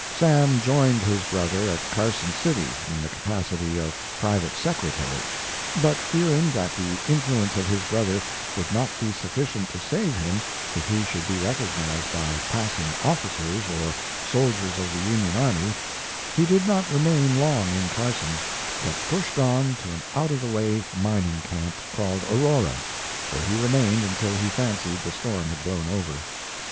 Sam joined his brother at Carson City in the capacity of private secretary, but fearing that the influence of his brother would not be sufficient to save him if he should be recognized by passing officers or soldiers of the Union army, he did not remain long in Carson, but pushed on to an out of the way mining camp, called Aurora, where he remained until he fancied the storm had blown over.